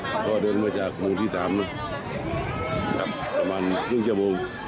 เพราะเดินมาจากบุญที่๓ประมาณ๓๐จม